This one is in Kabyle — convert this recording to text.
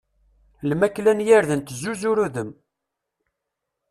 Lmakla n yirden tezzuzur udem.